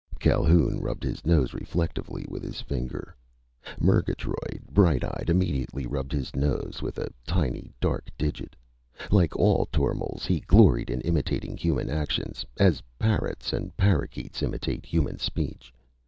Calhoun rubbed his nose reflectively with his finger. Murgatroyd, bright eyed, immediately rubbed his nose with a tiny dark digit. Like all tormals, he gloried in imitating human actions, as parrots and parakeets imitate human speech.